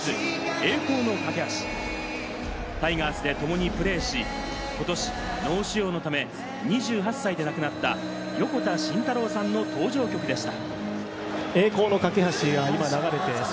登場の際、球場に流れたのは、ゆず『栄光の架け橋』。タイガースでともにプレーし、ことし、脳腫瘍のため、２８歳で亡くなった横田慎太郎さんの登場曲でした。